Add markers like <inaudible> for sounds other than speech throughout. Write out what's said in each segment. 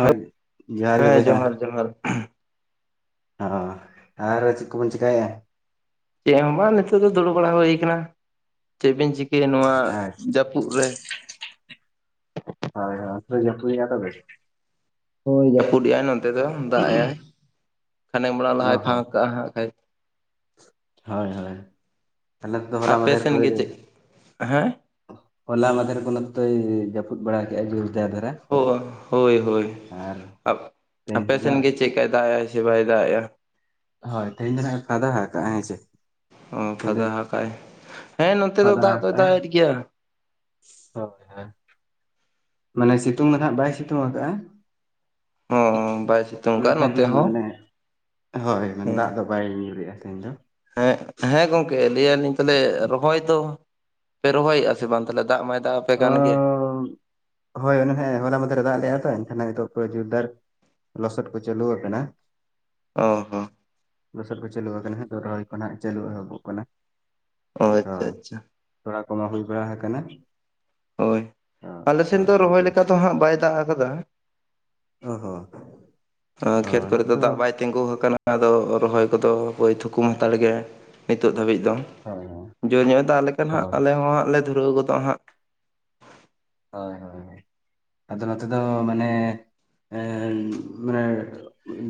ᱡᱚᱦᱟᱨ ᱜᱮ ᱡᱚᱦᱟᱨ ᱜᱮ ᱵᱚᱭᱦᱟ ᱡᱚᱦᱟᱨ <unintelligible> ᱟᱨ ᱛᱟᱦᱞᱮ ᱪᱮᱫ ᱠᱚᱵᱚᱱ ᱪᱮᱠᱟᱭ ᱟ ᱪᱮᱫ ᱦᱚᱸ ᱵᱟᱝ ᱱᱤᱛᱚᱜ ᱫᱚ ᱫᱩᱲᱩᱵ ᱵᱟᱲᱟ ᱦᱩᱭ ᱠᱟᱱᱟ ᱪᱮᱫᱵᱤᱱ ᱪᱤᱠᱟᱹᱭᱟ ᱱᱚᱣᱟ ᱟᱪᱪᱷᱟ ᱡᱟᱹᱯᱩᱫ ᱨᱮ ᱦᱳᱭ ᱚᱱᱛᱮ <unintelligible> ᱡᱟᱹᱯᱩᱫ ᱮᱜ ᱟᱭ ᱛᱚᱵᱮ ᱦᱩᱸ ᱡᱟᱹᱯᱩᱫᱮᱜ ᱟᱭ ᱱᱚᱱ <unintelligible> ᱵᱟᱨᱫᱚᱢ ᱫᱟᱜ ᱮᱭᱟᱭ, ᱠᱷᱟᱱᱮᱠ ᱞᱟᱦᱟ ᱞᱟᱦᱟᱭ ᱯᱷᱟᱸᱠ ᱠᱟᱜᱼᱟ ᱦᱟᱸᱜ <inaudible> ᱦᱚᱭ ᱦᱚᱭ ᱟᱞᱮ <inaudible> ᱫᱚ ᱦᱚᱞᱟ ᱟᱯᱮ ᱢᱟᱫᱷᱮᱨ ᱥᱮᱱ ᱠᱚᱨᱮ ᱜᱮ ᱪᱮᱫ ᱦᱮᱸ ᱦᱚᱞᱟ ᱢᱟᱫᱷᱮᱨ ᱠᱷᱚᱱᱟᱜ ᱛᱚᱭ ᱡᱟᱹᱯᱩᱫ ᱵᱟᱲᱟ ᱠᱮᱜᱼᱟ ᱡᱩᱨ ᱛᱮ ᱟᱫᱷᱨᱟ <unintelligible> ᱚ ᱦᱳᱭ ᱦᱳᱭ ᱟᱯ ᱛᱮᱦᱮᱧ ᱫᱚ ᱱᱟᱜ ᱟᱯᱮᱥᱮᱱ ᱜᱮ ᱪᱮᱫᱠᱟᱭ ᱫᱟᱜ ᱮᱭᱟᱭ ᱥᱮ ᱵᱟᱭ ᱫᱟᱜ ᱮ ᱟ ᱦᱳᱭ ᱛᱮᱦᱮᱧ ᱫᱚ ᱦᱟᱸᱜ ᱯᱷᱟᱫᱟ ᱟᱠᱟᱫᱟ ᱦᱮᱸ ᱪᱮ ᱚ ᱯᱷᱟᱫᱟ ᱦᱟᱠᱟᱭ ᱦᱮᱸ ᱱᱚᱛᱮ ᱫᱚ ᱯᱷᱟᱫᱟ ᱫᱟᱜ ᱫᱚᱭ ᱟᱠᱟᱜᱼᱟᱭ ᱫᱟᱜᱮᱫ ᱜᱮᱭᱟ ᱦᱳᱭ ᱦᱳᱭ ᱢᱟᱱᱮ ᱥᱤᱛᱩᱝ ᱫᱚ ᱱᱟᱦᱟᱜ ᱵᱟᱭ ᱥᱤᱛᱩᱝ ᱟᱠᱟᱜ-ᱟᱭ ᱦᱚᱸ ᱵᱟᱭ ᱥᱤᱛᱩᱝ <inaudible> ᱠᱟᱜᱼᱟ ᱢᱮᱱᱠᱷᱟᱱ ᱱᱚᱛᱮ ᱦᱚᱸ ᱢᱟᱱᱮ <inaudible> ᱦᱳᱭ ᱫᱟᱜ ᱦᱮᱸ ᱟᱫᱟᱭ ᱵᱟᱭ ᱨᱤᱢᱤᱞ ᱨᱮᱫᱼᱟ ᱛᱟᱦᱮᱸ ᱫᱚ ᱦᱮᱸ ᱦᱮᱸ ᱜᱚᱝᱠᱮ ᱞᱟᱹᱭ ᱭᱟ ᱞᱤᱧ ᱛᱟᱦᱚᱞᱮ ᱨᱚᱦᱚᱭ ᱫᱚ ᱯᱮ ᱨᱚᱦᱚᱭᱮᱫᱼᱟ ᱵᱟᱝ ᱛᱟᱦᱮ ᱫᱟᱜ ᱢᱟᱭ ᱫᱟᱜ ᱟᱯᱮ ᱚᱻ ᱠᱟᱱ ᱜᱮ ᱦᱳᱭ ᱦᱮ ᱦᱚᱞᱟ ᱢᱟᱫᱷᱮᱨ ᱫᱟᱜ ᱟᱞᱮ ᱟᱭ ᱛᱳ ᱮᱱᱠᱷᱟᱱ ᱱᱤᱛᱚᱜ ᱡᱳᱨ ᱫᱟᱨ ᱞᱚᱥᱴ ᱠᱚ ᱪᱟᱞᱩ ᱟᱠᱟᱱᱟ ᱚ ᱦᱚᱸ ᱫᱚᱥᱟᱨ ᱠᱚ ᱪᱟᱹᱞᱩ ᱟᱠᱟᱱᱟ ᱨᱚᱦᱚᱭ ᱠᱚᱜ ᱪᱟᱹᱞᱩ ᱮᱦᱚᱵᱚᱜ ᱠᱟᱱᱟ ᱚ ᱟᱪᱪᱷᱟ ᱟᱪᱪᱷᱟ ᱛᱷᱚᱲᱟ ᱠᱚᱢᱟ ᱦᱩᱭ ᱵᱟᱲᱟ ᱠᱟᱱᱟ ᱦᱳᱭ ᱟᱞᱮ ᱥᱮᱱ ᱫᱚ ᱨᱚᱦᱚᱭ ᱡᱩᱫᱟᱹ ᱞᱮᱠᱟ ᱫᱚ ᱦᱟᱸᱜ ᱵᱟᱭ ᱫᱟᱜ ᱠᱟᱫᱟ ᱚ ᱦᱚᱸ ᱠᱷᱮᱛ ᱦᱳᱭ ᱠᱚᱨᱮ ᱱᱚᱛᱮ ᱫᱚ ᱫᱟᱜ ᱵᱟᱭ ᱛᱤᱸᱜᱩ ᱟᱠᱟᱱᱟ ᱟᱫᱚ ᱨᱚᱦᱚᱭ ᱠᱚᱫᱚ ᱵᱳᱭ ᱛᱷᱩᱠᱩᱢ ᱦᱟᱛᱟᱲ ᱜᱮ ᱱᱤᱛᱚᱜ ᱫᱷᱟᱹᱵᱤᱡ ᱫᱚ ᱦᱳᱭ ᱡᱳᱨ ᱧᱚᱜ ᱮ ᱫᱟᱜ ᱦᱳᱭ ᱟᱞᱮ ᱦᱚᱸ ᱦᱟᱸᱜ ᱞᱮ ᱫᱷᱩᱨᱟᱹᱣ ᱜᱚᱫᱚᱜ ᱦᱟᱸᱜ ᱦᱳᱭ ᱦᱳᱭ ᱟᱫᱚ ᱱᱚᱛᱮ ᱫᱚ ᱢᱟᱱᱮ ᱮ ᱢᱟᱱᱮ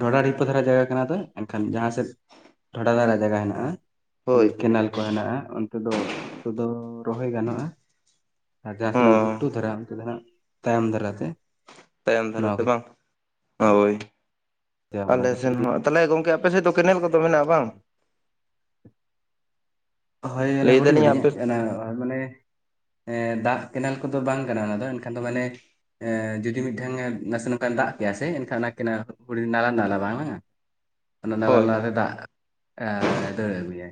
ᱰᱚᱰᱟ ᱰᱷᱤᱯᱟᱹ ᱫᱷᱟᱨᱟ ᱡᱟᱭᱜᱟ ᱠᱟᱱᱟ ᱛᱚ ᱮᱱᱠᱷᱟᱱ ᱡᱟᱦᱟᱸ ᱥᱮᱫ ᱰᱷᱚᱰᱟ ᱫᱷᱟᱨᱟ ᱡᱟᱭᱜᱟ ᱦᱮᱱᱟᱜ-ᱟ ᱦᱳᱭ ᱠᱮᱱᱮᱞ ᱠᱚ ᱦᱮᱱᱟᱜ-ᱟ ᱚᱱᱛᱮ ᱫᱚ ᱚᱱᱛᱮ ᱫᱚ ᱨᱚᱦᱚᱭ ᱜᱟᱱᱚᱜ-ᱟ ᱟᱨ ᱡᱟᱦᱟᱸ ᱛᱤᱱᱟᱹᱜ ᱜᱷᱩᱴᱩ ᱦᱚᱸ ᱫᱷᱟᱨᱟ ᱡᱟᱦᱱᱟᱜ ᱛᱟᱭᱚᱢ ᱫᱟᱨᱟ ᱛᱮ ᱛᱟᱭᱚᱢ ᱫᱷᱟᱨᱟ ᱛᱮ ᱵᱟᱝ ᱦᱳᱭ ᱪᱟᱵᱟ ᱵᱟᱲᱟ ᱟᱞᱮ ᱠᱟᱛᱮ ᱥᱮᱱ ᱡᱩᱫᱤ ᱦᱚᱸ ᱛᱟᱦᱚᱞᱮ ᱜᱚᱝᱠᱮ ᱟᱯᱮ ᱥᱮᱫ ᱫᱚ ᱠᱮᱱᱮᱞ ᱠᱚᱫᱚ ᱢᱮᱱᱟᱜ-ᱟ ᱵᱟᱝ ᱦᱳᱭ ᱮᱱᱟ ᱞᱟᱹᱭ ᱦᱩᱰᱤᱧ ᱫᱟᱞᱤᱧ ᱦᱩᱰᱤᱧ ᱟᱯᱮ ᱢᱟᱱᱮ ᱮᱸ ᱫᱟᱜ ᱠᱮᱱᱮᱞ ᱠᱚᱫᱚ ᱵᱟᱝ ᱠᱟᱱᱟ ᱚᱱᱟ ᱫᱚ ᱮᱱᱠᱷᱟᱱ ᱫᱚ ᱢᱟᱱᱮ ᱮ ᱡᱩᱫᱤ ᱢᱤᱫᱴᱷᱟᱝ ᱱᱟᱥᱮ ᱱᱚᱝᱠᱟᱭ ᱫᱟᱜ ᱯᱮᱭᱟ ᱥᱮ ᱮᱱᱠᱷᱟᱱ ᱚᱱᱟ ᱠᱮᱱᱮᱞ ᱱᱟᱞᱟ ᱱᱟᱞᱟ ᱵᱟᱝ ᱚᱱᱟ ᱱᱟᱞ ᱦᱳᱭ ᱱᱟᱛᱮ ᱫᱟᱜ ᱫᱟᱹᱲ ᱟᱜᱩᱭᱟ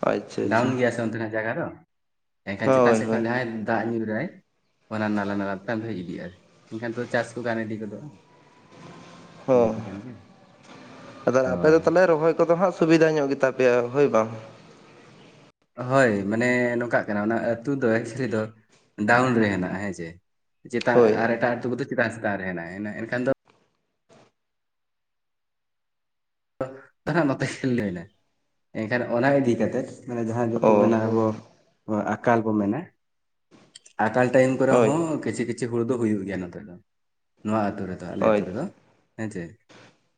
ᱟᱪᱪᱷᱟ ᱟᱪᱪᱷᱟ ᱰᱟᱣᱩᱱ ᱜᱮᱭᱟ ᱥᱮ ᱚᱱᱛᱮᱱᱟᱜ ᱡᱟᱭᱜᱟ ᱫᱚ ᱮᱱᱠᱷᱟᱱ ᱪᱮᱛᱟᱱ ᱦᱳᱭ ᱥᱮᱫ ᱦᱳᱭ ᱠᱷᱚᱱ ᱡᱟᱦᱟᱸᱭ ᱫᱟᱜ ᱧᱩ ᱨᱟᱭ ᱚᱱᱟ ᱱᱟᱞᱟ ᱱᱟᱞᱟ ᱛᱮ ᱦᱮᱡ ᱤᱫᱤᱜ-ᱟ ᱮᱱᱠᱷᱟᱱ ᱛᱚ ᱪᱟᱥ ᱠᱚ ᱜᱟᱱ ᱤᱫᱤ ᱜᱚᱫᱚᱜ-ᱟ ᱦᱚᱸ ᱟᱯᱮ ᱫᱚ ᱦᱳᱭ ᱛᱟᱦᱚᱞᱮ ᱨᱚᱦᱚᱭ ᱠᱚᱫᱚ ᱦᱟᱸᱜ ᱥᱩᱵᱤᱫᱟ ᱧᱚᱜ ᱜᱮᱛᱟ ᱯᱮᱭᱟ ᱦᱳᱭ ᱵᱟᱝ ᱦᱳᱭ ᱢᱟᱱᱮ ᱱᱚᱝᱠᱟᱜ ᱠᱟᱱᱟ ᱚᱱᱟ ᱟᱹᱛᱩ ᱫᱚ ᱮᱠᱪᱤ ᱫᱚ ᱰᱟᱣᱩᱱ ᱨᱮ ᱦᱮᱱᱟᱜ-ᱟ ᱦᱮᱸᱥᱮ ᱪᱮᱛᱟᱱ ᱦᱳᱭ ᱟᱨ ᱮᱴᱟᱜ ᱟᱹᱛᱩ ᱠᱚᱫᱚ ᱪᱮᱛᱟᱱ ᱥᱮᱛᱟᱜ ᱨᱮᱱᱟ ᱮᱱᱠᱷᱟᱱ ᱫᱚ <inaudible> ᱮᱱᱠᱷᱟᱱ ᱚᱱᱟ ᱤᱫᱤ ᱠᱟᱛᱮᱫ ᱢᱟᱱᱮ ᱡᱟᱦᱟᱸ ᱫᱚᱠᱚ ᱚ ᱢᱮᱱᱟ ᱟᱵᱚ ᱟᱠᱟᱞ ᱵᱚ ᱢᱮᱱᱟ ᱟᱠᱟᱞ ᱴᱟᱭᱤᱢ ᱠᱚᱨᱮ ᱦᱳᱭ ᱦᱚᱸ ᱠᱤᱪᱷᱤᱩ ᱠᱤᱪᱷᱤᱩ ᱫᱚ ᱦᱩᱭᱩᱜ ᱜᱮᱭᱟ ᱱᱚᱛᱮ ᱫᱚ ᱱᱚᱣᱟ ᱟᱹᱛᱩ ᱨᱮᱫᱚ ᱟᱞᱮ ᱦᱳᱭ ᱟᱹᱛᱩ ᱨᱮᱫᱚ ᱦᱮᱸᱥᱮ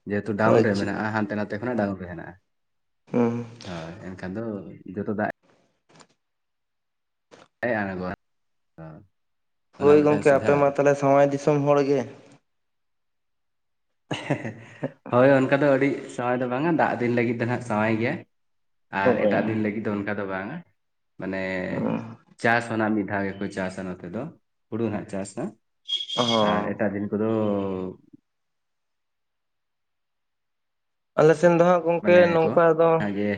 ᱡᱮᱦᱮᱛᱩ ᱰᱟᱣᱩᱱ ᱨᱮ ᱟᱪᱪᱷᱟ ᱢᱮᱱᱟᱜ-ᱟ ᱦᱟᱱᱛᱮ ᱱᱟᱛᱮ ᱠᱷᱚᱱᱟᱜ ᱰᱟᱣᱩᱱ ᱨᱮ ᱦᱮᱱᱟᱜ-ᱟ ᱦᱚᱸ ᱦᱳᱭ ᱮᱱᱠᱷᱟᱱ ᱫᱚ ᱡᱚᱛᱚ ᱫᱟᱜ ᱦᱮᱸ ᱟᱲᱜᱚ <inaudible> ᱦᱳᱭ ᱜᱚᱢᱠᱮ ᱟᱯᱮ ᱢᱟ ᱛᱟᱦᱚᱞᱮ ᱥᱟᱶᱟᱭ ᱫᱤᱥᱚᱢ ᱦᱚᱲ ᱜᱮ᱾ ᱦᱳᱭ ᱚᱱᱠᱟ ᱫᱚ ᱟᱹᱰᱤ ᱥᱟᱶᱟᱭ ᱫᱚ ᱵᱟᱝ-ᱟ ᱫᱟᱜ ᱫᱤᱱ ᱞᱟᱹᱜᱤᱫ ᱫᱚ ᱱᱟᱦᱟᱜ ᱥᱟᱶᱟᱭ ᱜᱮ ᱟᱨ ᱦᱳᱭ ᱮᱴᱟᱜ ᱫᱤᱱ ᱞᱟᱹᱜᱤᱫ ᱫᱚ ᱚᱱᱠᱟ ᱫᱚ ᱵᱟᱝ-ᱟ ᱢᱟᱱᱮ ᱪᱟᱥ ᱦᱚᱸ ᱱᱟᱜ ᱢᱤᱫ ᱫᱷᱟᱣ ᱜᱮᱠᱚ ᱪᱟᱥᱟ ᱱᱚᱛᱮ ᱫᱚ ᱦᱩᱲᱩ ᱦᱟᱸᱜ ᱪᱟᱥ ᱟᱨ ᱦᱚᱸ ᱮᱴᱟᱜ ᱫᱤᱱ ᱠᱚᱫᱚ ᱟᱞᱮ ᱥᱮᱱ ᱫᱚ ᱦᱟᱸᱜ ᱜᱚᱝᱠᱮ ᱢᱟᱱᱮ ᱠᱚ ᱱᱚᱝᱠᱟ ᱫᱚ ᱟᱜᱮ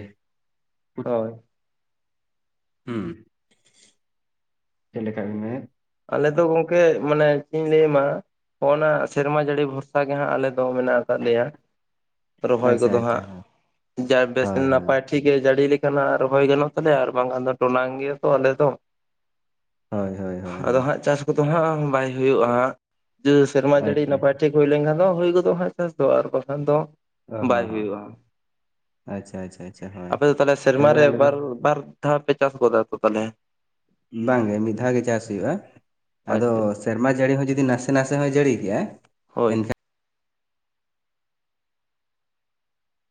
ᱦᱳᱭ ᱦᱩᱸ <unintelligible> ᱟᱞᱮ ᱫᱚ ᱜᱚᱝᱠᱮ ᱢᱟᱱᱮ ᱪᱮᱫ ᱤᱧ ᱞᱟᱹᱭ ᱟᱢᱟ ᱚᱱᱟ ᱥᱮᱨᱢᱟ ᱡᱟᱹᱲᱤ ᱵᱷᱚᱨᱥᱟ ᱜᱮ ᱦᱟᱸᱜ ᱟᱞᱮ ᱫᱚ ᱢᱮᱱᱟᱜ ᱟᱠᱟᱫ ᱞᱮᱭᱟ ᱨᱚᱦᱚᱭ ᱟᱪᱪᱷᱟ ᱠᱚᱫᱚ ᱟᱪᱪᱷᱟ ᱦᱟᱸᱜ ᱡᱟ ᱵᱮᱥ ᱦᱳᱭ ᱦᱳᱭ ᱱᱟᱯᱟᱭ ᱴᱷᱤᱠ ᱴᱷᱤᱠᱮ ᱡᱟᱹᱲᱤ ᱞᱮᱠᱱᱟᱜ ᱨᱚᱦᱚᱭ ᱜᱟᱱᱚᱜ ᱛᱟᱞᱮᱟ ᱟᱨ ᱵᱟᱝᱠᱷᱟᱱ ᱫᱚ ᱴᱚᱞᱟᱝ ᱜᱮᱭᱟ ᱛᱚ ᱟᱞᱮ ᱫᱚ ᱾ ᱦᱳᱭ ᱾ ᱟᱫᱚ ᱦᱟᱸᱜ ᱪᱟᱥ ᱠᱚᱫᱚ ᱦᱟᱸᱜ ᱵᱟᱭ ᱦᱩᱭᱩᱜᱼᱟ ᱦᱟᱸᱜ ᱡᱟ ᱥᱮᱨᱢᱟ ᱡᱟᱹᱲᱤ ᱟᱪᱪᱷᱟ ᱱᱟᱯᱟᱭ ᱟᱪᱪᱷᱟ ᱴᱷᱤᱠ ᱦᱩᱭ ᱞᱮᱱᱠᱷᱟᱱ ᱫᱚ ᱦᱩᱭ ᱜᱚᱫᱚᱜᱼᱟ ᱦᱟᱸᱜ ᱪᱟᱥ ᱫᱚ ᱟᱨ ᱵᱟᱠᱷᱟᱱ ᱫᱚ ᱚ ᱦᱚᱸ ᱵᱟᱭ ᱦᱚᱸ ᱦᱩᱭᱩᱜᱼᱟ᱾ ᱟᱪᱪᱷᱟ ᱟᱪᱪᱷᱟ ᱟᱪᱪᱷᱟ ᱦᱳᱭ ᱟᱯᱮ ᱫᱚ ᱛᱟᱞᱚᱦᱮ ᱥᱮᱨᱢᱟ ᱦᱳᱭ ᱨᱮ ᱟᱞᱮ ᱫᱚ ᱵᱟᱨ ᱵᱟᱨ ᱫᱷᱟᱣ ᱯᱮ ᱪᱟᱥ ᱜᱚᱫᱟ ᱛᱚ ᱛᱟᱞᱚᱦᱮ? ᱵᱟᱝᱜᱮ ᱢᱤᱫ ᱫᱷᱟᱣ ᱜᱮ ᱪᱟᱥ ᱦᱩᱭᱩᱜᱼᱟ ᱟᱨ ᱟᱫᱚ ᱪᱮᱫ ᱥᱮᱨᱢᱟ ᱡᱟᱹᱲᱤ ᱦᱚᱸ ᱡᱩᱫᱤ ᱱᱟᱥᱮ ᱱᱟᱥᱮ ᱦᱚᱸᱭ ᱡᱟᱹᱲᱤ ᱠᱮᱭᱟ ᱦᱳᱭ ᱾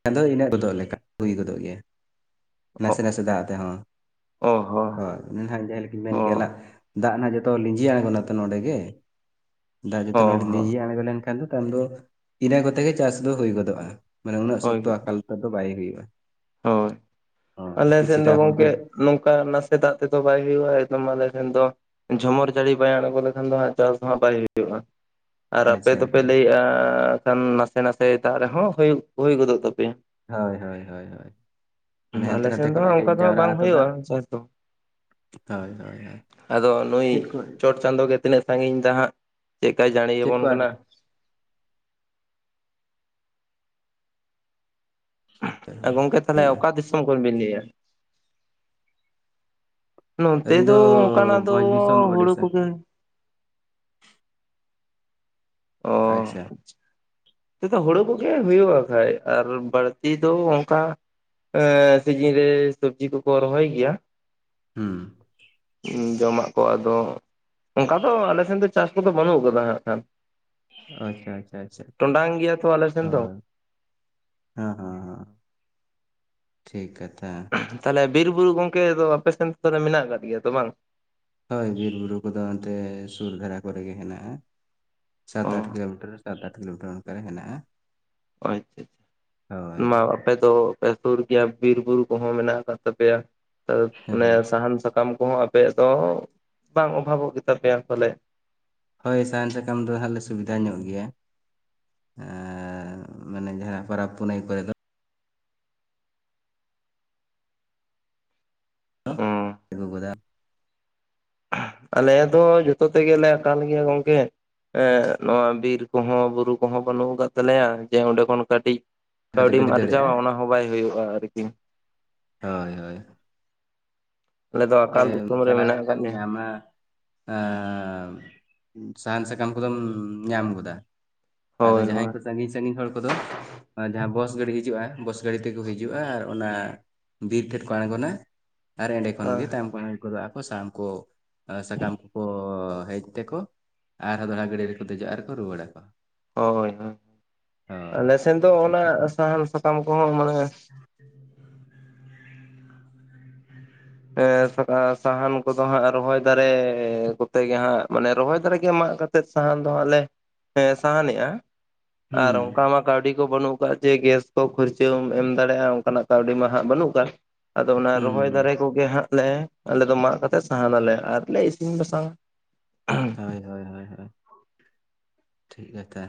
ᱟᱫᱚ ᱤᱱᱟᱹᱜ ᱜᱚᱫᱚᱜ ᱞᱮᱠᱟ ᱦᱩᱭ ᱜᱚᱫᱚᱜ ᱜᱮᱭᱟ ᱾ ᱚ ᱱᱟᱥᱮ ᱱᱟᱥᱮ ᱫᱟᱜ ᱟᱛᱮ ᱦᱚᱸ ᱚ ᱦᱚᱸ ᱦᱳᱭ ᱱᱟᱦᱟᱜ ᱡᱟᱦᱟᱸ ᱞᱮᱠᱟᱧ ᱢᱮᱱ ᱦᱚᱸ ᱠᱮᱞᱟᱜ ᱫᱟᱜ ᱨᱮᱱᱟᱜ ᱡᱚᱛᱚ ᱞᱤᱸᱡᱤ ᱟᱬᱜᱚᱱᱟ ᱛᱚ ᱱᱚᱸᱰᱮ ᱜᱮ ᱾ ᱫᱟᱜ ᱡᱚᱛᱚ ᱦᱚᱸ ᱱᱚᱸᱰᱮ ᱦᱚᱸ ᱞᱤᱸᱡᱤ ᱟᱬᱜᱚ ᱞᱮᱱᱠᱷᱟᱱ ᱫᱚ ᱛᱟᱞ ᱫᱚ ᱤᱱᱟᱹ ᱠᱚᱛᱮ ᱜᱮ ᱪᱟᱥ ᱫᱚ ᱦᱩᱭ ᱜᱚᱫᱚᱜᱼᱟ ᱢᱟᱱᱮ ᱦᱳᱭ ᱛᱚ ᱟᱠᱟᱞ ᱛᱮ ᱫᱚ ᱵᱟᱭ ᱦᱩᱭᱩᱜ-ᱟ ᱾ ᱦᱳᱭ, ᱟᱞᱮ ᱥᱮᱱ ᱫᱚ ᱜᱚᱝᱠᱮ ᱼᱼ ᱱᱚᱝᱠᱟ ᱱᱟᱥᱮ ᱫᱟᱜ ᱛᱮᱫᱚ ᱵᱟᱭ ᱦᱩᱭᱩᱜᱼᱟ ᱮᱠᱫᱚᱢ ᱟᱞᱮ ᱴᱷᱮᱱ ᱫᱚ ᱼᱼ ᱡᱷᱚᱢᱚᱨ ᱡᱟᱹᱲᱤ ᱵᱟᱭ ᱟᱬᱜᱚ ᱞᱮᱠᱷᱟᱱ ᱫᱚ ᱦᱟᱸᱜ ᱪᱟᱥ ᱫᱚ ᱦᱟᱸᱜ ᱵᱟᱭ ᱦᱩᱭᱩᱜᱼᱟ ᱾ ᱟᱨ ᱟᱯᱮ ᱟᱪᱪᱷᱟ ᱫᱚᱯᱮ ᱟᱪᱪᱷᱟ ᱞᱟᱹᱭᱮᱜᱼᱟ ᱠᱷᱟᱱ ᱱᱟᱥᱮ ᱱᱟᱥᱮ ᱫᱟᱜ ᱨᱮᱦᱚᱸ ᱦᱩᱭ ᱜᱚᱫᱚᱜ ᱛᱟᱯᱮᱭᱟ ᱾ ᱦᱳᱭ ᱦᱳᱭ ᱦᱳᱭ ᱦᱳᱭ ᱾ ᱟᱞᱮ ᱥᱮᱱ ᱫᱚ ᱦᱟᱸᱜ ᱚᱱᱠᱟ ᱫᱚ ᱦᱟᱸᱜ ᱵᱟᱝ ᱛᱚ ᱦᱩᱭᱩᱜᱼᱟ ᱫᱟᱜ ᱪᱟᱥ ᱫᱚ ᱦᱳᱭ ᱦᱳᱭ ᱦᱳᱭ ᱾ ᱟᱫᱚ ᱱᱩᱭ ᱪᱮᱫ ᱠᱚ ᱪᱚᱴ ᱼᱼ ᱪᱟᱸᱫᱳ ᱜᱮ ᱛᱤᱱᱟᱹᱜ ᱥᱟᱺᱜᱤᱧ ᱫᱟ ᱦᱟᱸᱜ, ᱪᱮᱫᱠᱟᱭ ᱡᱟᱹᱲᱤ ᱪᱮᱫ ᱟᱵᱚᱱ ᱠᱚ ᱟᱨ ᱠᱟᱱᱟ ᱾ ᱜᱚᱝᱠᱮ ᱛᱟᱞᱦᱮ ᱦᱩᱭᱩᱜᱼᱟ ᱚᱠᱟ ᱫᱤᱥᱚᱢ ᱠᱷᱚᱱ ᱵᱤᱱ ᱞᱟᱹᱭᱟ? ᱱᱚᱱᱛᱮ ᱫᱚ ᱚᱱᱠᱟᱱᱟᱜ ᱫᱚ ᱵᱷᱚᱸᱡᱽ ᱫᱤᱥᱚᱢ ᱦᱩᱲᱩ ᱳᱰᱤᱥᱟ ᱠᱚᱜᱮ ᱾ ᱚ ᱟᱪᱪᱷᱟ ᱱᱚᱛᱮ ᱫᱚ ᱦᱩᱲᱩ ᱠᱚᱜᱮ ᱦᱩᱭᱩᱜᱼᱟ ᱠᱷᱟᱡ ᱟᱨ ᱵᱟᱹᱲᱛᱤ ᱫᱚ ᱚᱝᱠᱟ ᱼᱼ ᱥᱤᱡᱤᱱ ᱨᱮ ᱥᱚᱵᱽᱡᱤ ᱠᱚᱠᱚ ᱨᱚᱦᱚᱭ ᱜᱮᱭᱟ ᱾ ᱦᱩᱸ ᱾ ᱡᱚᱢᱟᱜ ᱠᱚ ᱟᱫᱚ ᱚᱝᱠᱟ ᱫᱚ ᱟᱞᱮ ᱥᱮᱱ ᱫᱚ ᱪᱟᱥ ᱠᱚᱫᱚ ᱵᱟᱹᱱᱩᱜ ᱠᱟᱫᱟ ᱦᱟᱸᱜ ᱠᱷᱟᱱ ᱾ ᱟᱪᱪᱷᱟ ᱟᱪᱪᱷᱟ ᱟᱪᱪᱷᱟ ᱟᱪᱪᱷᱟ, ᱴᱚᱸᱰᱟᱝ ᱜᱮᱭᱟ ᱛᱚ ᱟᱞᱮ ᱥᱮᱱ ᱫᱚ ᱦᱳᱭ ᱾ ᱦᱮᱸ ᱦᱮᱸ ᱴᱷᱤᱠ ᱠᱟᱛᱷᱟ ᱾ ᱛᱟᱞᱮ ᱵᱤᱨ ᱵᱩᱨᱩ ᱜᱚᱝᱠᱮ ᱫᱚ ᱟᱯᱮᱥᱮᱱ ᱠᱚᱨᱮ ᱢᱮᱱᱟᱜ ᱟᱠᱟᱫ ᱜᱮᱭᱟ ᱛᱚ ᱵᱟᱝ? ᱦᱳᱭ ᱵᱤᱨ ᱵᱩᱨᱩ ᱠᱚᱫᱚ ᱚᱱᱛᱮ ᱥᱩᱨ ᱫᱷᱟᱨᱟ ᱠᱚᱨᱮ ᱜᱮ ᱦᱮᱱᱟᱜᱼᱟ ᱾ ᱥᱟᱛ ᱚ ᱟᱴ ᱠᱤᱞᱳᱢᱤᱴᱟᱨ ᱥᱟᱛ ᱟᱴ ᱠᱤᱞᱳᱢᱤᱴᱟᱨ ᱚᱱᱠᱟ ᱨᱮ ᱦᱮᱱᱟᱜᱼᱟ ᱾ ᱦᱚᱭ ᱛᱚ ᱢᱟᱣ ᱟᱯᱮ ᱫᱚ ᱟᱯᱮ ᱥᱩᱨ ᱜᱮᱭᱟ ᱵᱤᱨ ᱵᱩᱨᱩ ᱠᱚᱦᱚᱸ ᱢᱮᱱᱟᱜ ᱟᱠᱟᱫ ᱛᱟᱯᱮᱭᱟ ᱚᱱᱮ ᱦᱮᱸ ᱥᱟᱦᱟᱱ ᱥᱟᱠᱟᱢ ᱼᱼ ᱠᱚᱦᱚᱸ ᱟᱯᱮᱭᱟᱜ ᱫᱚ ᱵᱟᱝ ᱚᱵᱷᱟᱵᱚᱜ ᱜᱮᱛᱟ ᱯᱮᱭᱟ ᱯᱷᱟᱞᱮᱜ ᱾ ᱦᱳᱭ ᱥᱟᱦᱟᱱ ᱥᱟᱠᱟᱢ ᱫᱚ ᱦᱟᱸᱜ ᱞᱮ ᱥᱩᱵᱤᱫᱷᱟ ᱧᱚᱜ ᱜᱮᱭᱟ ᱾ ᱟᱨ ᱢᱟᱱᱮ ᱡᱟᱦᱟᱸ ᱯᱟᱨᱟᱵᱽ ᱯᱩᱱᱟᱹᱭ ᱠᱚᱨᱮ ᱫᱚ ᱼᱼ ᱚᱸ <unintelligible> ᱟᱹᱜᱩ ᱜᱚᱫᱟ ᱾ ᱟᱞᱮ ᱫᱚ ᱡᱚᱛᱚ ᱛᱮᱜᱮᱞᱮ ᱟᱠᱟᱞ ᱜᱮᱭᱟ ᱜᱚᱝᱠᱮ ᱾ ᱦᱮᱸ ᱱᱚᱣᱟ ᱵᱤᱨ ᱠᱚᱦᱚᱸ ᱵᱩᱨᱩ ᱠᱚᱦᱚᱸ ᱵᱟᱹᱱᱩᱜ ᱟᱠᱟᱜ ᱛᱟᱞᱮᱭᱟ ᱡᱮ ᱚᱸᱰᱮ ᱠᱷᱚᱱ ᱠᱟᱹᱴᱤᱡ ᱼᱼ ᱠᱟᱛᱮ ᱠᱟᱹᱣᱰᱤᱢ ᱜᱤᱰᱤ ᱫᱟᱲᱮᱭᱟᱜᱼᱟ ᱟᱨᱡᱟᱣᱟ ᱚᱱᱟ ᱦᱚᱸ ᱵᱟᱭ ᱦᱩᱭᱩᱜᱼᱟ ᱟᱨᱠᱤ ᱾ ᱦᱳᱭ ᱦᱳᱭ ᱟᱞᱮ ᱫᱚ ᱟᱠᱟᱞ <unintelligible> ᱫᱤᱥᱚᱢ ᱨᱮ ᱪᱟᱞᱟ ᱢᱮᱱᱟᱜ ᱞᱮᱱᱠᱷᱟᱱ ᱟᱠᱟᱫ ᱞᱮᱭᱟ ᱧᱟᱢᱟ ᱼᱼ ᱥᱟᱦᱟᱱ ᱥᱟᱠᱟᱢ ᱠᱚᱫᱚᱢ ᱧᱟᱢ ᱜᱚᱫᱟ ᱾ ᱟᱫᱚ ᱦᱳᱭ ᱡᱟᱦᱟᱸᱭ ᱦᱳᱭ ᱠᱚ ᱥᱟᱺᱜᱤᱧ ᱥᱟᱺᱜᱤᱧ ᱦᱚᱲ ᱠᱚᱫᱚ ᱼᱼ ᱡᱟᱦᱟᱸ ᱵᱚᱥ ᱜᱟᱹᱲᱤ ᱦᱤᱡᱩᱜᱼᱟ ᱵᱚᱥ ᱜᱟᱹᱲᱤ ᱛᱤᱠᱚ ᱦᱤᱡᱩᱜᱼᱟ ᱟᱨ ᱚᱱᱟ ᱼᱼ ᱵᱤᱨ ᱴᱷᱮᱫ ᱠᱚ ᱟᱬᱜᱚᱱᱟ ᱟᱨ ᱮᱸᱰᱮ ᱠᱷᱚᱱ ᱜᱮ <unintelligible> ᱜᱚᱫᱚᱜ ᱟᱠᱚ ᱥᱟᱦᱟᱱ ᱠᱚ ᱥᱟᱠᱟᱢ ᱠᱚᱠᱚ ᱦᱮᱡ ᱛᱮᱠᱚ ᱼᱼ ᱟᱨᱦᱚᱸ ᱫᱚᱲᱦᱟ ᱜᱟᱹᱰᱤ ᱨᱮᱠᱚ ᱫᱮᱡᱚᱜᱼᱟ ᱟᱨᱠᱚ ᱨᱩᱭᱟᱹᱲᱟᱠᱚ ᱦᱳᱭ ᱦᱳᱭ ᱟᱞᱮᱥᱮᱫ ᱫᱚ ᱚᱱᱟ ᱥᱟᱦᱟᱱ ᱥᱟᱠᱟᱢ ᱠᱚᱦᱚᱸ ᱢᱟᱱᱮ ᱮ ᱥᱟᱦᱟᱱ ᱠᱚᱫᱚ ᱦᱟᱸᱜ ᱨᱚᱦᱚᱭ ᱫᱟᱨᱮ ᱠᱚᱛᱮ ᱜᱮ ᱦᱟᱸᱜ ᱢᱟᱱᱮ ᱨᱚᱦᱚᱭ ᱫᱟᱨᱮ ᱜᱮ ᱢᱟᱜ ᱠᱟ ᱛᱮᱜ ᱥᱟᱦᱟᱱ ᱫᱚ ᱦᱟᱸᱜ ᱞᱮ ᱥᱟᱦᱟᱱᱮᱜᱼᱟ ᱟᱨ ᱦᱩᱸ ᱚᱱᱠᱟ ᱢᱟ ᱠᱟᱹᱣᱰᱤ ᱠᱚ ᱵᱟᱹᱱᱩᱜ ᱟᱠᱟᱫ ᱡᱮ ᱜᱮᱥ ᱠᱚ ᱠᱷᱚᱨᱪᱟᱹᱢ ᱮᱢ ᱫᱟᱲᱮᱭᱟᱜᱼᱟ ᱚᱱᱠᱟᱱᱟᱜ ᱠᱟᱹᱣᱰᱤ ᱢᱟ ᱦᱟᱸᱜ ᱵᱟᱹᱱᱩᱜ ᱟᱠᱟᱫ ᱟᱫᱚ ᱚᱱᱟ ᱨᱚᱦᱚᱭ ᱫᱟᱨᱮ ᱦᱩᱸ ᱠᱚ ᱜᱮ ᱦᱟᱸᱜ ᱞᱮ ᱟᱞᱮ ᱫᱚ ᱢᱟᱜ ᱠᱟᱛᱮ ᱥᱟᱦᱟᱱᱟᱞᱮ ᱟᱨ ᱞᱮ ᱤᱥᱤᱱ ᱵᱟᱥᱟᱝᱟ ᱦᱳᱭ ᱦᱳᱭ ᱦᱳᱭ ᱴᱷᱤᱠ ᱠᱟᱛᱷᱟ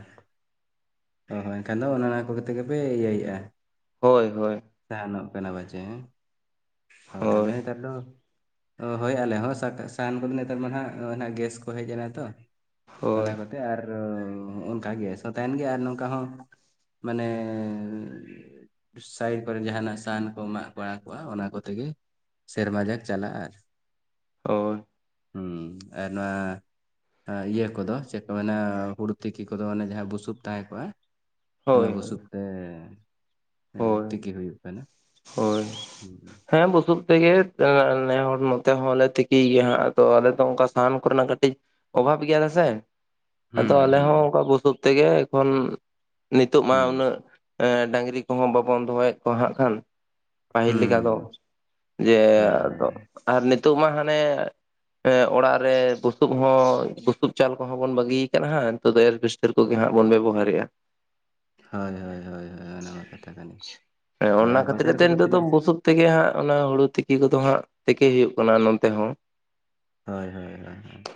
ᱦ ᱦᱳ ᱮᱱᱠᱷᱟᱱ ᱫᱚ ᱚᱱ ᱚᱱᱟ ᱠᱚᱜᱮ ᱛᱮᱜᱮ ᱯᱮ ᱤᱭᱟᱹᱭᱮᱫᱼᱟ ᱦᱳᱭ ᱦᱳᱭ ᱛᱟᱦᱮᱱᱚᱜ ᱠᱟᱱᱟ ᱯᱟᱪᱮ ᱦᱮᱸ ᱦᱳᱭ ᱟᱫᱚ ᱦᱮᱛᱟᱨ ᱫᱚ ᱦᱳᱭ ᱦᱳᱭ ᱟᱞᱮ ᱦᱚᱸ ᱥᱟᱦᱟᱱ ᱠᱚᱫᱚ ᱱᱮᱛᱟᱨ ᱢᱟ ᱱᱟᱜ ᱚᱱᱟ ᱜᱮᱥ ᱠᱚ ᱦᱮᱡ ᱮᱱᱟ ᱛᱚ ᱚᱱᱟ ᱦᱳᱭ ᱠᱚᱛᱮ ᱟᱨ ᱚᱱᱠᱟ ᱜᱮᱥ ᱦᱚᱸ ᱛᱟᱦᱮᱱ ᱜᱮ ᱟᱨ ᱱᱚᱝ ᱚᱠᱟᱦᱚ ᱢᱟᱱᱮ ᱥᱟᱭᱤᱰ ᱠᱚᱨᱮ ᱡᱟᱦᱟᱱᱟᱜ ᱥᱟᱦᱟᱱ ᱠᱚ ᱢᱟᱜ ᱵᱟᱲᱟ ᱠᱚᱜᱼᱟ ᱚᱱᱟ ᱠᱚᱛᱮ ᱜᱮ ᱥᱮᱨᱢᱟ ᱡᱟᱠ ᱪᱟᱞᱟᱜᱼᱟ᱾ ᱟᱨ ᱚ ᱦᱩᱸ ᱟᱨ ᱱᱚᱣᱟ ᱟ ᱤᱭᱟᱹ ᱠᱚᱫᱚ ᱪᱮᱜ ᱠᱚ ᱢᱮᱱᱟ ᱦᱩᱲᱩ ᱛᱤᱠᱤ ᱠᱚᱫᱚ ᱚᱱᱮ ᱡᱟᱦᱟᱸ ᱵᱩᱥᱩᱵ ᱛᱟᱦᱮᱸ ᱠᱚᱜᱼᱟ᱾ ᱚᱱᱟ ᱦᱳᱭ ᱵᱩᱥᱩᱵ ᱛᱮ ᱦᱳᱭ ᱛᱤᱠᱤ ᱦᱩᱭᱩᱜ ᱠᱟᱱᱟ᱾ ᱦᱳᱭ ᱦᱮᱸ ᱵᱩᱥᱩᱵ ᱛᱮᱜᱮ ᱱᱮ ᱦᱚᱲ ᱱᱚᱛᱮ ᱦᱚᱸᱞᱮ ᱛᱤᱠᱤᱭ ᱜᱮᱭᱟ ᱛᱚ ᱟᱞᱮ ᱫᱚ ᱚᱱᱠᱟ ᱥᱟᱦᱟᱱ ᱠᱚᱨᱮᱱᱟᱜ ᱠᱟᱹᱴᱤᱡ ᱚᱵᱷᱟᱵᱽ ᱜᱮᱭᱟ ᱞᱮ ᱥᱮ᱾ ᱟᱫᱚ ᱟᱞᱮ ᱦᱚᱸ ᱚᱱᱴᱝᱠᱟ ᱵᱩᱥᱩᱵ ᱛᱮᱜᱮ ᱮᱠᱷᱚᱱ ᱱᱤᱛ ᱚᱜ ᱢᱟ ᱩᱱᱟᱹᱜ ᱰᱟᱝᱨᱤ ᱠᱚᱸᱦᱟ ᱵᱟᱵᱚᱱ ᱫᱚᱦᱚᱭᱮᱜ ᱠᱚᱣᱟ ᱦᱟᱸᱜ ᱠᱷᱟᱱ ᱯᱟᱹᱦᱤᱞ ᱞᱮᱠᱟ ᱫᱚ᱾ ᱡᱮ ᱟᱨ ᱱᱤᱛᱚᱜ ᱢᱟ ᱦᱟᱱᱮ ᱮᱸ ᱚᱲᱟᱜ ᱨᱮ ᱵᱩᱥᱩᱯ ᱦᱚᱸ ᱵᱩᱥᱩᱵ ᱪᱟᱞ ᱠᱚᱦᱚᱸ ᱵᱚᱱ ᱵᱟᱹᱜᱤ ᱠᱟᱜ ᱦᱟᱸᱜ ᱱᱤᱛᱚᱜ ᱫᱚ ᱮᱨᱵᱮᱥ ᱛᱟᱹᱨ ᱠᱚᱜᱮ ᱦᱟᱸᱜ ᱵᱚᱱ ᱵᱮᱵᱚᱦᱟᱨᱮᱜᱼᱟ᱾ ᱦᱳᱭ ᱦᱳᱭ ᱦᱳᱭ ᱦᱳᱭ ᱚᱱᱟ ᱢᱟ ᱠᱟᱛᱷᱟ᱾ ᱠᱟᱱ ᱜᱮ᱾ ᱦᱮᱸ ᱦᱳᱭ ᱚᱱᱟ ᱟᱨ ᱠᱷᱟᱹᱛᱤᱨ ᱵᱟᱡᱟᱨ ᱛᱮ ᱠᱚᱫᱚ ᱱᱤᱛᱚᱜ ᱫᱚ ᱛᱤᱱᱟᱹᱜ ᱵᱩᱥᱩᱵ ᱛᱮᱜᱮ ᱦᱟᱸᱜ ᱚᱱᱟ ᱦᱩᱲᱩ ᱛᱤᱠᱤ ᱠᱚᱫᱚ ᱦᱟᱸᱜ ᱛᱤᱠᱤ ᱦᱩᱭᱩᱜ ᱠᱟᱱᱟ ᱱᱚᱱᱛᱮ ᱦᱚᱸ᱾ ᱦᱳᱭ ᱦᱳᱭ ᱦᱳᱭ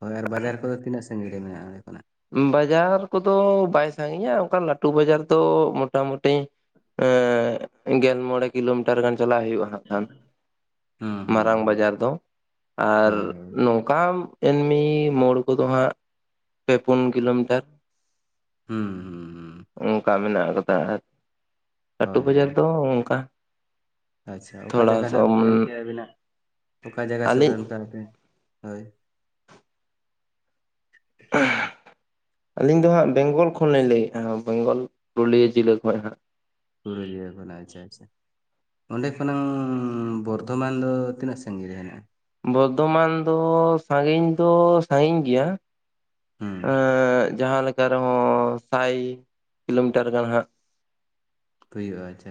ᱦᱳᱭ ᱟᱨ ᱵᱟᱡᱟᱨ ᱠᱚᱫᱚ ᱛᱤᱱᱟᱹᱜ ᱥᱟᱺᱜᱤᱧ ᱨᱮ ᱢᱮᱱᱟᱜᱼᱟ ᱚᱸᱰᱮ ᱠᱷᱚᱱᱟᱜ? ᱵᱟᱡᱟᱨ ᱠᱚᱫᱚ ᱵᱟᱭ ᱥᱟᱺᱜᱤᱧᱟ, ᱚᱝᱠᱟ ᱞᱟᱹᱴᱩ ᱵᱟᱡᱟᱨ ᱫᱚ ᱢᱚᱴᱟᱢᱩᱴᱤ ᱮᱸ ᱜᱮᱞ ᱢᱚᱬᱮ ᱠᱤᱞᱳᱢᱤᱴᱟᱨ ᱜᱟᱱ ᱪᱟᱞᱟᱜ ᱦᱩᱭᱩᱜᱼᱟ ᱦᱟᱸᱜ ᱠᱷᱟᱱ᱾ ᱦᱩᱸ ᱦᱩᱸ ᱢᱟᱨᱟᱝ ᱦᱩᱸ ᱵᱟᱡᱟᱨ ᱫᱚ ᱟᱨ ᱦᱳᱭ ᱦᱳᱭ ᱱᱚᱝᱠᱟᱱ ᱮᱢᱱᱢᱤ ᱢᱳᱲ ᱠᱚᱫᱚ ᱦᱟᱸᱜ ᱯᱮ ᱯᱩᱱ ᱠᱤᱞᱳᱢᱤᱴᱟᱨ᱾ ᱦᱮᱸ ᱦᱩᱸ ᱦᱩᱸ ᱚᱱᱴᱝᱠᱟ ᱢᱮᱱᱟᱜ ᱠᱟᱫᱟ ᱟᱨ ᱞᱟᱹᱴᱩ ᱦᱳᱭ ᱵᱟᱡᱟᱨ ᱦᱳᱭ ᱫᱚ ᱚᱝᱠᱟ ᱟᱪᱪᱷᱟ ᱚᱠᱟ ᱡᱟᱭᱜᱟ ᱱᱟᱜ ᱵᱤᱱ ᱢᱮᱱᱠᱮᱜᱼᱟ ᱟᱹᱵᱤᱱᱟᱜ ᱚᱠᱟ ᱡᱟᱭᱜᱟ ᱥᱩᱨ ᱟᱹᱞᱤᱧ ᱨᱮᱱ ᱠᱟᱱᱟ ᱵᱤᱱ ᱦᱳᱭ᱾ ᱟᱹᱞᱤᱧ ᱫᱚ ᱦᱟᱸᱜ ᱵᱮᱝᱜᱚᱞ ᱠᱷᱚᱱᱞᱤᱧ ᱞᱟᱹᱭᱮᱜᱼᱟ ᱵᱮᱝᱜᱚᱞ ᱯᱩᱨᱩᱞᱤᱭᱟᱹ ᱡᱤᱞᱟᱹ ᱠᱷᱚᱡ ᱦᱟᱸᱜ᱾ ᱯᱩᱨᱟᱹᱩᱞᱤᱭᱟᱹ ᱠᱷᱚᱱᱟᱜ ᱟᱪᱪᱷᱟ ᱟᱪᱪᱷᱟ᱾ ᱚᱸᱰᱮ ᱠᱷᱚᱱᱟᱝ ᱵᱚᱨᱫᱷᱚᱢᱟᱱ ᱫᱚ ᱛᱤᱱᱟᱹᱜ ᱥᱟᱺᱜᱤᱧ ᱨᱮ ᱦᱮᱱᱟᱜᱼᱟ? ᱵᱚᱨᱫᱷᱚᱢᱟᱱ ᱫᱚ ᱥᱟᱺᱜᱤᱧ ᱫᱚ ᱥᱟᱺᱜᱤᱧ ᱜᱮᱭᱟ᱾ ᱦᱩᱸ ᱡᱟᱦᱟᱸ ᱞᱮᱠᱟ ᱨᱮᱦᱚᱸ ᱥᱟᱭ ᱠᱤᱞᱳᱢᱤᱴᱟᱨ ᱜᱟᱱ ᱦᱟᱸᱜ᱾ ᱦᱩᱭᱩᱜᱼᱟ᱾ ᱟᱪ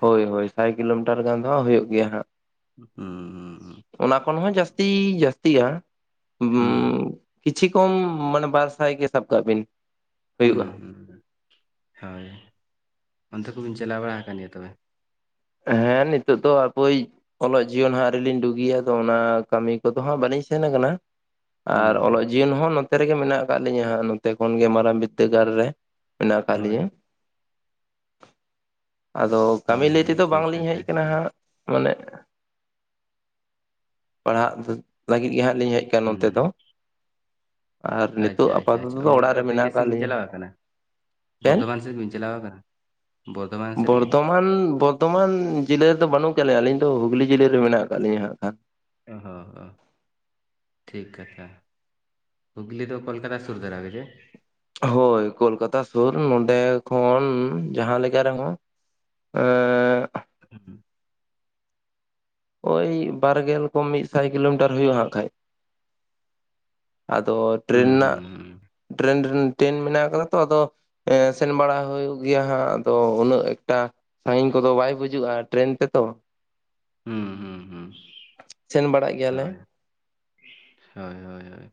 ᱦᱳᱭ ᱦᱳᱭ ᱥᱟᱭ ᱠᱤᱞᱳᱢᱤᱴᱟᱨ ᱜᱟᱱ ᱫᱚ ᱦᱩᱭᱩᱜ ᱜᱮᱭᱟ ᱦᱟᱸᱜ᱾ ᱦᱩᱸ ᱦᱩᱸᱸ ᱚᱱᱟ ᱠᱷᱚᱱ ᱦᱚᱸ ᱡᱟᱹᱥᱛᱤ ᱡᱟᱹᱥᱛᱤᱜᱼᱟ᱾ ᱦᱩᱸ ᱠᱤᱪᱷᱤ ᱠᱚᱢ ᱢᱚᱱᱮ ᱵᱟᱨᱥᱟᱭ ᱜᱮ ᱥᱟᱵ ᱠᱟᱜ ᱵᱤᱱ᱾ ᱦᱩᱸ ᱦᱩᱭᱩᱜᱼᱟ ᱦᱩᱸ ᱦᱩᱸ ᱦᱳᱭ ᱚᱱᱛᱮ ᱠᱚᱵᱤᱱ ᱪᱟᱞᱟᱣ ᱵᱟᱲᱟ ᱠᱟᱱ ᱜᱮᱭᱟ ᱛᱚᱵᱮ? ᱦᱮᱸ ᱱᱤᱛᱳᱜ ᱫᱚ ᱦᱟᱯᱳᱭ ᱚᱞᱚᱜ ᱡᱤᱭᱚᱱ ᱦᱟᱸᱜ ᱟᱹᱨᱤ ᱞᱤᱧ ᱰᱩᱜᱤᱭᱟ ᱛᱚ ᱚᱱᱟ ᱠᱟᱹᱢᱤ ᱠᱚᱫᱚ ᱦᱟᱸᱜ ᱵᱟᱹᱞᱤᱧ ᱥᱮᱱ ᱠᱟᱱᱟ᱾ ᱦᱩᱸ ᱟᱨ ᱦᱩᱸ ᱚᱞᱚᱜ ᱡᱤᱭᱚᱱ ᱦᱚᱸ ᱱᱚᱛᱮ ᱨᱮᱜᱮ ᱢᱮᱱᱟᱜ ᱠᱟᱜ ᱞᱤᱧᱟᱹ ᱦᱟᱸᱜ ᱱᱚᱛᱮ ᱠᱷᱚᱱ ᱜᱮ ᱢᱟᱨᱟᱝ ᱵᱤᱫᱽᱫᱟᱹᱜᱟᱲ ᱨᱮ᱾ ᱢᱮᱱᱟᱜ ᱠᱟᱜ ᱦᱳᱭ ᱞᱤᱧᱟ᱾ ᱟᱫᱚ ᱠᱟᱢᱤ ᱦᱳᱭ ᱞᱟᱹᱭ ᱦᱳᱭ ᱛᱮᱫᱚ ᱴᱷᱤᱠ ᱵᱟᱝᱞᱤᱧ ᱠᱟᱛᱷᱟ ᱦᱮᱡ ᱠᱟᱱᱟ ᱜᱮᱵᱤᱱ ᱦᱟᱸᱜ ᱢᱟᱱᱮ ᱯᱟᱲᱦᱟᱜ ᱞᱟᱹᱜᱤᱫ ᱜᱮ ᱦᱟᱸᱜ ᱞᱤᱧ ᱦᱮᱡ ᱠᱟᱱᱟ ᱱᱚᱱᱛᱮ ᱫᱚ᱾ ᱦᱩᱸ ᱟᱨ ᱱᱤᱛᱚᱜ ᱟᱪᱪᱷᱟ ᱟᱪᱪᱷᱟ ᱟᱯᱟᱛᱚᱛᱚ ᱟᱪᱪᱷᱟ ᱫᱚ ᱚ ᱚᱲᱟᱜ ᱨᱮ ᱚᱱᱛᱮ ᱢᱮᱱᱟᱜ ᱤᱭᱟᱹ ᱥᱮᱫ ᱠᱟᱜ ᱵᱤᱱ ᱞᱤᱧᱟ᱾ ᱪᱟᱞᱟᱣ ᱟᱠᱟᱱᱟ ᱵᱚᱨᱫᱷᱚᱢᱟᱱ ᱥᱮᱡ ᱵᱤᱱ ᱪᱟᱞᱟᱣ ᱠᱟᱱᱟ ᱵᱚᱨᱫᱷᱚᱢᱟᱱ ᱥᱮᱡ? ᱫᱷᱚᱢᱟᱱ ᱡᱤᱞᱟᱹ ᱨᱮᱫᱚ ᱵᱟᱹᱱᱩᱜ ᱠᱟᱜ ᱞᱮᱭᱟ ᱟᱹᱞᱤᱧ ᱫᱚ ᱦᱩᱜᱽᱞᱤ ᱡᱤᱞᱟᱹ ᱨᱮ ᱢᱮᱱᱟᱜ ᱠᱟᱜ ᱞᱤᱧᱟᱹ ᱦᱟᱸᱜ ᱠᱷᱟᱱ᱾ ᱚᱦᱚ ᱚ ᱴᱷᱤᱠ ᱠᱟᱛᱷᱟ ᱦᱩᱜᱽᱞᱤ ᱫᱚ ᱠᱚᱞᱠᱟᱛᱟ ᱥᱩᱨ ᱫᱷᱟᱨᱟ ᱨᱮ? ᱦᱳᱭ ᱠᱳᱞᱠᱟᱛᱟ ᱥᱩᱨ ᱱᱚᱸᱰᱮ ᱠᱷᱚᱱ ᱡᱟᱦᱟᱸ ᱞᱮᱠᱟ ᱨᱮᱦᱚᱸ <unintelligible> <unintelligible> ᱳᱭ ᱵᱟᱨᱜᱮᱞ ᱠᱚᱢ ᱢᱤᱫ ᱥᱟᱭ ᱠᱤᱞᱳᱢᱤᱴᱟᱨ ᱦᱳᱭᱩᱜᱼᱟ ᱦᱟᱸᱜ ᱠᱷᱟᱡᱽ ᱟᱫᱚ ᱴᱨᱮᱱ ᱦᱩᱸ ᱱᱟᱜ ᱦᱩᱸ ᱦᱩᱸ ᱴᱨᱮᱱ ᱨᱮ ᱴᱮᱱ ᱢᱮᱱᱟᱜ ᱠᱟᱫᱟ ᱛᱚ ᱟᱫᱚ ᱦᱮᱸ ᱥᱮᱱ ᱵᱟᱲᱟ ᱦᱳᱭᱩᱜ ᱜᱮᱭᱟ ᱦᱟᱸᱜ ᱟᱫᱚ ᱩᱱᱟᱹᱜ ᱮᱠᱴᱟ ᱥᱟᱺᱜᱤᱧ ᱠᱚᱫᱚ ᱵᱟᱭ ᱵᱩᱡᱩᱜᱼᱟ ᱴᱨᱮᱱ ᱛᱮᱛᱚ ᱦᱩᱸ ᱦᱩᱸ ᱦᱩᱸ ᱥᱮᱱ ᱵᱟᱲᱟᱜ ᱜᱮᱭᱟᱞᱮ ᱦᱳᱭ ᱦᱳᱭ ᱦᱳᱭ ᱦᱳᱭ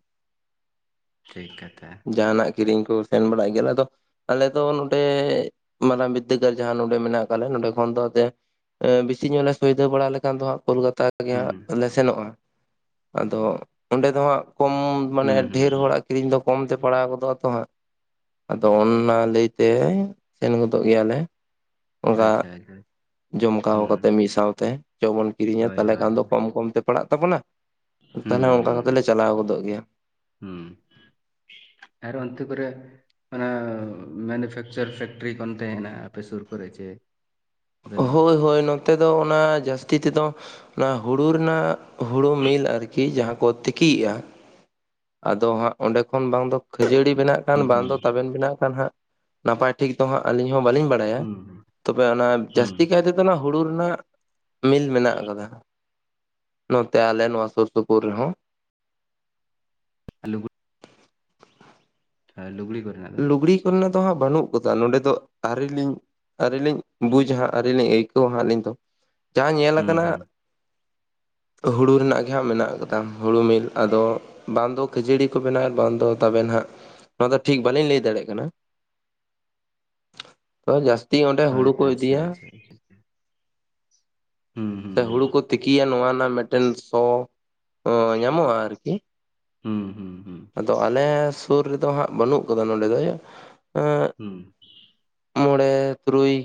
ᱴᱷᱤᱠ ᱠᱟᱛᱷᱟ ᱡᱟᱦᱟᱱᱟᱜ ᱠᱤᱨᱤᱧ ᱠᱚ ᱥᱮᱱ ᱵᱟᱲᱟᱜ ᱜᱮᱭᱟᱞᱮ ᱟᱫᱚ ᱟᱞᱮ ᱫᱚ ᱱᱚᱸᱰᱮ ᱢᱟᱨᱟᱝ ᱵᱤᱫᱽᱫᱟᱹᱜᱟᱲ ᱡᱟᱸᱦᱟ ᱱᱚᱸᱰᱮ ᱢᱮᱱᱟᱜ ᱠᱟᱫᱞᱮ ᱱᱚᱸᱰᱮ ᱠᱷᱚᱱ ᱫᱚ ᱵᱤᱥᱤ ᱧᱚᱜᱞᱮ ᱥᱳᱭᱫᱟ ᱵᱟᱲᱟ ᱞᱮᱠᱷᱟᱱ ᱫᱚ ᱦᱟᱜ ᱠᱳᱞᱠᱟᱛᱟ ᱜᱮ ᱦᱟᱸᱜ ᱦᱩᱸ ᱞᱮ ᱥᱮᱱᱚᱜᱼᱟ ᱟᱫᱚ ᱚᱸᱰᱮ ᱫᱚ ᱦᱟᱸᱜ ᱠᱚᱢ ᱢᱟᱱᱮ ᱦᱩᱸ ᱦᱩᱸ ᱰᱷᱮᱨ ᱦᱩᱸ ᱦᱚᱲᱟᱜ ᱠᱤᱨᱤᱧ ᱫᱚ ᱠᱚᱢ ᱛᱮ ᱯᱟᱲᱟᱣ ᱜᱚᱫᱚᱜᱼᱟ ᱛᱚ ᱦᱟᱸᱜ ᱟᱫᱚ ᱚᱱᱟ ᱞᱮᱭᱛᱮ ᱥᱮᱱ ᱜᱚᱫᱚᱜ ᱜᱮᱭᱟᱞᱮ ᱚᱱᱟ ᱟᱪᱪᱷᱟ ᱟᱪᱪᱷᱟ ᱡᱚᱢᱠᱟᱣ ᱦᱩᱸ ᱠᱟᱛᱮ ᱢᱤᱫ ᱥᱟᱶᱛᱮ ᱪᱚ ᱵᱚᱱ ᱠᱤᱨᱤᱧᱟ ᱦᱳᱭ ᱛᱟᱞᱮ ᱦᱳᱭ ᱠᱷᱟᱱ ᱫᱚ ᱦᱩᱸ ᱠᱚᱢ ᱠᱚᱢᱛᱮ ᱯᱟᱲᱟᱜ ᱛᱟᱵᱚᱱᱟ ᱛᱟᱦᱞᱮ ᱚᱱᱠᱟ ᱦᱩᱸ ᱠᱟᱛᱮ ᱦᱩᱸ ᱞᱮ ᱪᱟᱞᱟᱣ ᱜᱚᱫᱚᱜ ᱜᱮᱭᱟ ᱦᱩᱸ ᱟᱨ ᱚᱱᱛᱮ ᱠᱚᱨᱮ ᱚᱱᱟ ᱢᱮᱱᱩᱯᱷᱮᱠᱪᱟᱨ ᱯᱷᱮᱠᱴᱨᱤ ᱠᱚ ᱚᱱᱛᱮ ᱦᱮᱱᱟᱜᱼᱟ ᱟᱯᱮ ᱥᱩᱨ ᱠᱚᱨᱮ ᱪᱮ ᱵᱟᱹᱱᱩᱜᱼᱟ? ᱦᱳᱭ ᱦᱳᱭ ᱱᱚᱛᱮ ᱫᱚ ᱚᱱᱟ ᱡᱟᱹᱥᱛᱤ ᱛᱮᱫᱚ ᱚᱱᱟ ᱦᱳᱲᱩ ᱨᱮᱱᱟᱜ ᱦᱩᱲᱩ ᱢᱤᱞ ᱟᱨᱠᱤ ᱡᱟᱸᱦᱟ ᱠᱚ ᱛᱤᱠᱤᱭᱮᱫᱼᱟ ᱟᱫᱚ ᱦᱟᱸᱜ ᱚᱸᱰᱮ ᱠᱷᱚᱱ ᱵᱟᱝ ᱫᱚ ᱠᱷᱟᱹᱡᱟᱹᱲᱤ ᱵᱮᱱᱟᱜ ᱠᱟᱱ ᱦᱩᱸ ᱵᱟᱝ ᱦᱩᱸ ᱫᱚ ᱛᱟᱸᱵᱮᱱ ᱵᱮᱱᱟᱜ ᱠᱟᱱ ᱦᱟᱸᱜ ᱱᱟᱯᱟᱭ ᱴᱷᱤᱠ ᱫᱚ ᱦᱟᱸᱜ ᱟᱹᱞᱤᱧ ᱦᱚᱸ ᱵᱟᱞᱤᱧ ᱵᱟᱲᱟᱭᱟ ᱦᱩᱸ ᱛᱚᱵᱮ ᱚᱱᱟ ᱦᱩᱸ ᱡᱟᱹᱥᱛᱤ ᱠᱟᱭᱛᱮ ᱚᱱᱟ ᱦᱳᱲᱩ ᱨᱮᱱᱟᱜ ᱢᱤᱞ ᱢᱮᱱᱟᱜ ᱟᱠᱟᱫᱟ ᱱᱚᱛᱮ ᱟᱞᱮ ᱱᱚᱣᱟ ᱥᱩᱨ ᱥᱩᱯᱩᱨ ᱨᱮᱦᱚᱸ ᱦᱮᱞᱩ ᱦᱮᱸ ᱞᱩᱜᱽᱲᱤ ᱠᱚᱨᱮ ᱞᱩᱜᱽᱲᱤ ᱠᱚᱨᱮᱱᱟᱜ ᱫᱚ ᱦᱟᱸᱜ ᱵᱟᱹᱱᱩᱜ ᱟᱠᱟᱫᱟ ᱱᱚᱸᱰᱮ ᱫᱚ ᱟᱨᱤᱞᱤᱧ ᱟᱹᱣᱨᱤ ᱞᱤᱧ ᱵᱩᱡᱟ ᱦᱟᱸᱜ ᱟᱨᱤ ᱞᱤᱧ ᱟᱹᱭᱠᱟᱹᱣᱟ ᱦᱟᱸᱜ ᱟᱹᱞᱤᱧ ᱫᱚ ᱡᱟᱸᱦᱟ ᱧᱮᱞ ᱦᱩᱸ ᱟᱠᱟᱱᱟ ᱦᱟᱸᱜ <inaudible> ᱦᱩᱲᱩ ᱨᱮᱱᱟᱜ ᱜᱮ ᱦᱟᱸᱜ ᱢᱮᱱᱟᱜ ᱟᱠᱟᱫᱟ ᱦᱩᱲᱩ ᱢᱤᱞ ᱟᱫᱚ ᱵᱟᱝ ᱫᱚ ᱠᱷᱟᱹᱡᱟᱹᱲᱤ ᱠᱚ ᱵᱮᱱᱟᱣᱮᱫ ᱵᱟᱝ ᱫᱚ ᱛᱟᱸᱵᱮᱱ ᱦᱟᱸᱜ ᱱᱚᱣᱟ ᱫᱚ ᱴᱷᱤᱠ ᱵᱟᱹᱞᱤᱧ ᱞᱮᱹᱭ ᱫᱟᱲᱮᱭᱟᱜ ᱠᱟᱱᱟ ᱛᱚ ᱡᱟᱥᱛᱤ ᱚᱸᱰᱮ ᱦᱳᱭ ᱦᱩᱲᱩ ᱠᱚ ᱟᱪᱪᱷᱟ ᱤᱫᱤᱭᱟ ᱟᱪᱪᱷᱟ ᱦᱩᱸ ᱦᱩᱸ ᱥᱮ ᱦᱩᱲᱩ ᱠᱚ ᱛᱤᱠᱤᱭᱟ ᱱᱚᱣᱟ ᱨᱮᱱᱟᱜ ᱢᱤᱫᱴᱮᱱ ᱥᱚ ᱧᱟᱢᱚᱜᱼᱟ ᱟᱨᱠᱤ ᱦᱩᱸ ᱦᱩᱸ ᱦᱩᱸ ᱟᱫᱚ ᱟᱞᱮ ᱥᱩᱨ ᱨᱮᱫᱚ ᱦᱟᱸᱜ ᱵᱟᱹᱱᱩᱜ ᱠᱟᱫᱟ ᱱᱚᱰᱮ ᱫᱚ ᱮᱸᱜ ᱦᱩᱸ ᱢᱚᱬᱮ ᱛᱩᱨᱩᱭ